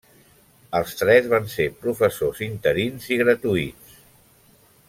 Els tres van ser professors interins i gratuïts.